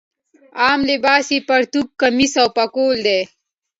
عام لباس یې پرتوګ کمیس او پکول دی.